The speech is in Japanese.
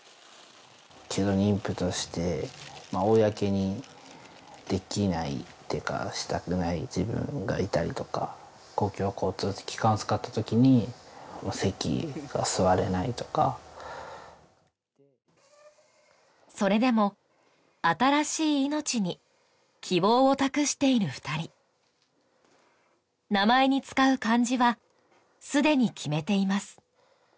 普通の妊婦として公にできないというかしたくない自分がいたりとか公共交通機関を使ったときに席が座れないとかそれでも新しい命に希望を託している２人名前に使う漢字は既に決めています